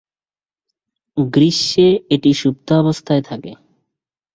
গ্রীষ্মে এটি সুপ্তাবস্থায় থাকে।